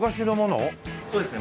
そうですね。